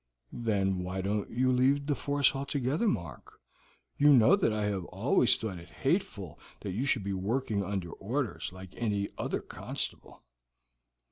"Then why don't you leave the force altogether, Mark? You know that I have always thought it hateful that you should be working under orders, like any other constable."